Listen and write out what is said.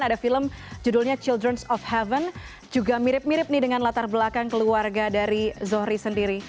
ada film judulnya childrens of heaven juga mirip mirip nih dengan latar belakang keluarga dari zohri sendiri